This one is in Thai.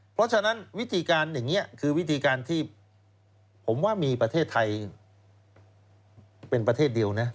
เพราะฉะนั้นวิธีการอย่างนี้คือวิธีการที่ผมว่ามีประเทศไทยเป็นประเทศเดียวนะ